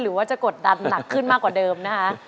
หรือว่าจะกดดันหนักขึ้นมากกว่าเดิมนะคะ